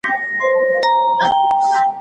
سياستپوهنه به يوازي پر تيورۍ ولاړه نه وي.